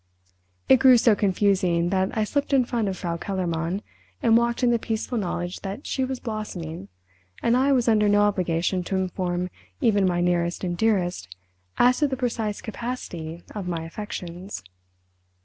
It grew so confusing that I slipped in front of Frau Kellermann—and walked in the peaceful knowledge that she was blossoming and I was under no obligation to inform even my nearest and dearest as to the precise capacity of my affections.